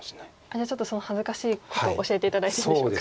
じゃあちょっとその恥ずかしいことを教えて頂いていいでしょうか。